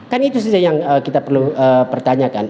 kan itu saja yang kita perlu pertanyakan